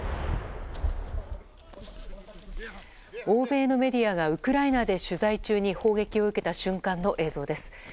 欧米のメディアがウクライナで取材中に砲撃を受けた瞬間の映像です。